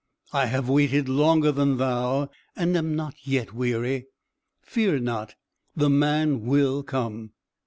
"I have waited longer than thou, and am not yet weary. Fear not; the man will come."